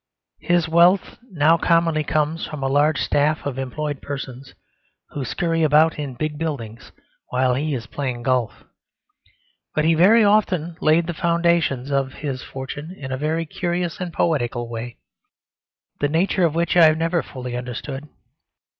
His wealth now commonly comes from a large staff of employed persons who scurry about in big buildings while he is playing golf. But he very often laid the foundations of his fortune in a very curious and poetical way, the nature of which I have never fully understood.